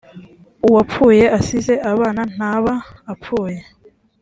uwapfuye asize abana ntaba apfuye